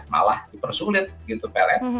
malah dipersulit gitu pls